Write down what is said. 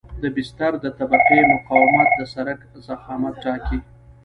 د بستر د طبقې مقاومت د سرک ضخامت ټاکي